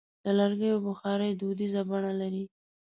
د لرګیو بخاري دودیزه بڼه لري.